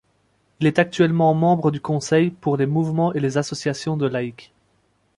Il est actuellement membre du Conseil pour les mouvements et les associations de laïcs.